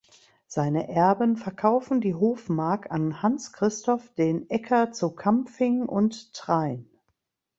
Seine Erben verkaufen die Hofmark an Hans Christoph den Ecker zu Kapfing und Train.